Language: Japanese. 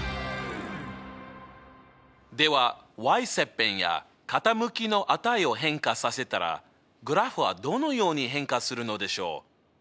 では切片や傾きの値を変化させたらグラフはどのように変化するのでしょう。